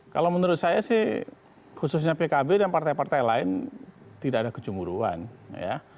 kalau menurut saya sih khususnya pkb dan partai partai lain tidak ada kecemburuan ya